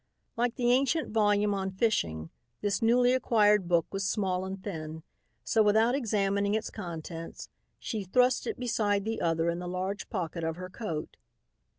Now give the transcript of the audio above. Like the ancient volume on fishing, this newly acquired book was small and thin, so without examining its contents she thrust it beside the other in the large pocket of her coat.